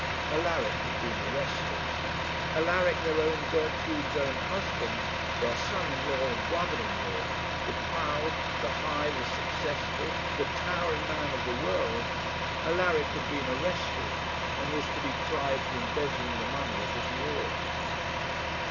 Alaric had been arrested. Alaric, their own Gertrude's own husband, their son in law and brother in law, the proud, the high, the successful, the towering man of the world, Alaric had been arrested, and was to be tried for embezzling the money of his ward.